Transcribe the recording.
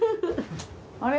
あれ？